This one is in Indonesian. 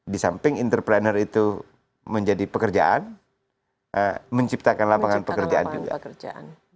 di samping entrepreneur itu menjadi pekerjaan menciptakan lapangan pekerjaan juga